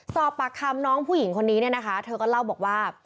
สอบปากคำน้องผู้หญิงคนนี้เนี่ยนะคะเธอก็เล่าบอกว่า